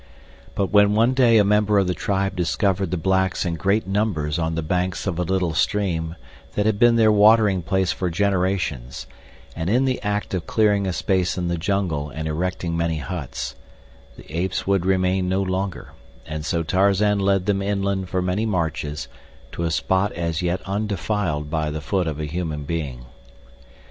But when one day a member of the tribe discovered the blacks in great numbers on the banks of a little stream that had been their watering place for generations, and in the act of clearing a space in the jungle and erecting many huts, the apes would remain no longer; and so Tarzan led them inland for many marches to a spot as yet undefiled by the foot of a human being.